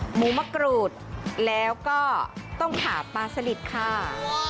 หมูมะกรูดแล้วก็ต้มขาปลาสลิดค่ะ